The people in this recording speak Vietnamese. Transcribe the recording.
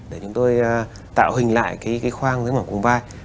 để chúng tôi tạo hình lại cái khoang với mỏm cùng vai